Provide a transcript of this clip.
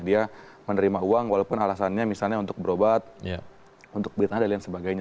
dia menerima uang walaupun alasannya misalnya untuk berobat untuk berita dan lain sebagainya